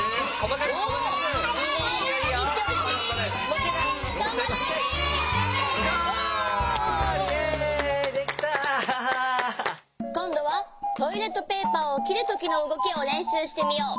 こんどはトイレットペーパーをきるときのうごきをれんしゅうしてみよう。